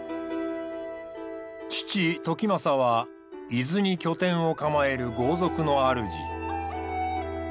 父時政は伊豆に拠点を構える豪族のあるじ。